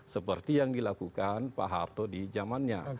seperti yang dilakukan pak harto di zamannya